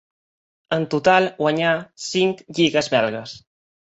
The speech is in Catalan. En total guanyà cinc lligues belgues.